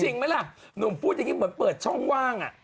จริงไหมล่ะหนุ่มพูดอย่างนี้เหมือนเปิดช่องว่าง